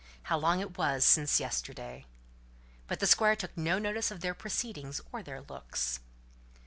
How long it was since yesterday! But the Squire took no notice of their proceedings or their looks.